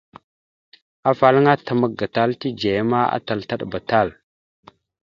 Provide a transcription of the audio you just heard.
Afalaŋa təmak gatala tidzeya ma, atal taɗəba tal.